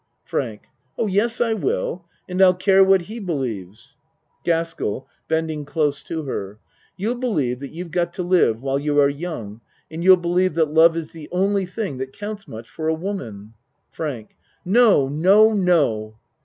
FRANK Oh, yes, I will and I'll care what he believes. GASKELL (Bending close to her.) You'll be lieve that you've got to live while you are young and you'll believe that love is the only thing that counts much for a woman. FRANK No no no